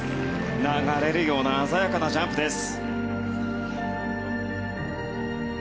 流れるような鮮やかなジャンプです。